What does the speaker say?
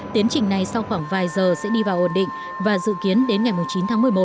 tiến trình này sau khoảng vài giờ sẽ đi vào ổn định và dự kiến đến ngày chín tháng một mươi một